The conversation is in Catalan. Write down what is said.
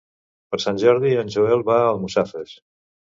Per Sant Jordi en Joel va a Almussafes.